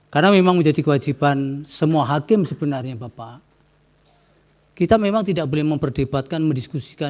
kewajiban semua hakim sebenarnya bapak kita memang tidak boleh memperdebatkan mendiskusikan